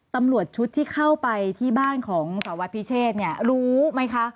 ตำรวจชุดที่เข้าไปที่บ้านของสารวัตรพิเชษเนี่ยรู้ไหมคะ